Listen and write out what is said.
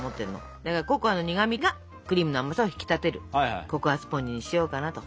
ココアの苦みがクリームの甘さを引き立てるココアスポンジにしようかなと。